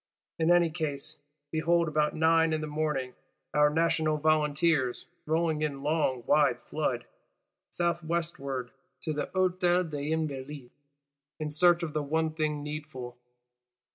In any case, behold about nine in the morning, our National Volunteers rolling in long wide flood, south westward to the Hôtel des Invalides; in search of the one thing needful.